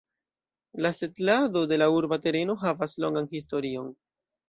La setlado de la urba tereno havas longan historion.